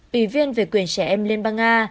ủy viên về quyền trẻ em liên bang nga